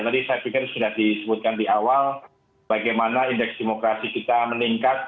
jadi saya pikir sudah disebutkan di awal bagaimana indeks demokrasi kita meningkat